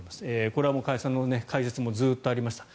これはもう、加谷さんの解説もずっとありました。